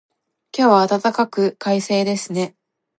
今日は暖かく、快晴ですね。